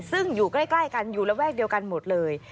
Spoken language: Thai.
ซึ่งอยู่ใกล้กันอยู่ระแวกเดียวกันหมดเลย